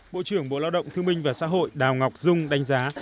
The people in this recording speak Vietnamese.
bộ trưởng bộ lao động thương minh và xã hội đào ngọc dung đánh giá